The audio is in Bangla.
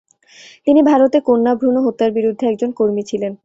তিনি ভারতে কন্যা ভ্রূণ হত্যার বিরুদ্ধে একজন কর্মী ছিলেন।